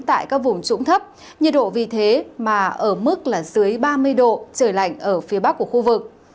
tại các vùng trũng thấp nhiệt độ vì thế mà ở mức là dưới ba mươi độ trời lạnh ở phía bắc của khu vực